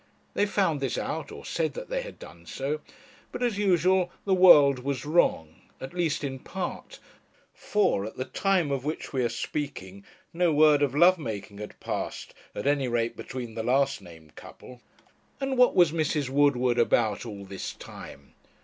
They found this out, or said that they had done so. But, as usual, the world was wrong; at least in part, for at the time of which we are speaking no word of love making had passed, at any rate, between the last named couple. And what was Mrs. Woodward about all this time?